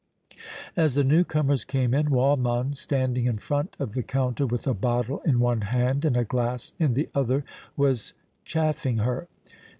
As the new comers came in, Waldmann, standing in front of the counter with a bottle in one hand and a glass in the other, was chaffing her.